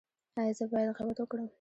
ایا زه باید غیبت وکړم؟